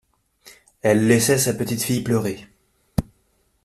Elle laissait sa petite-fille pleurer.